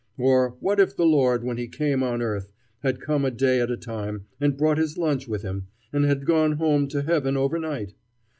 Or what if the Lord, when he came on earth, had come a day at a time and brought his lunch with him, and had gone home to heaven overnight?